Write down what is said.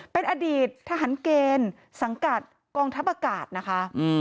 เป็นอดีตทหารเกณฑ์สังกัดกองทัพอากาศนะคะ